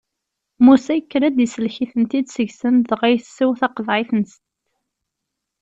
Musa yekker-d isellek-itent seg-sen, dɣa yessew taqeḍɛit-nsent.